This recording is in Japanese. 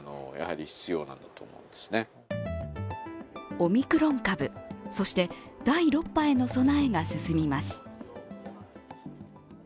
オミクロン株、そして第６波への備えが進みます。